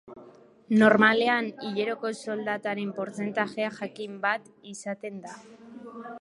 Normalean hileroko soldataren portzentajea jakin bat izaten da.